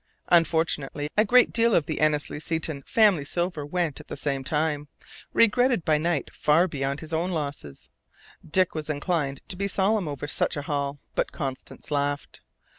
Unfortunately, a great deal of the Annesley Seton family silver went at the same time, regretted by Knight far beyond his own losses. Dick was inclined to be solemn over such a haul, but Constance laughed.